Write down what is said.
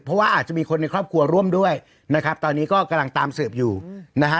เพราะว่าอาจจะมีคนในครอบครัวร่วมด้วยนะครับตอนนี้ก็กำลังตามสืบอยู่นะฮะ